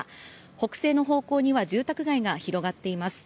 北西の方向には住宅街が広がっています。